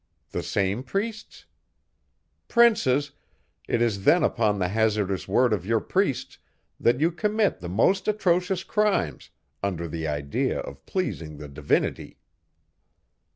The same priests? Princes! It is then upon the hazardous word of your priests, that you commit the most atrocious crimes, under the idea of pleasing the Divinity!